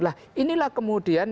nah inilah kemudian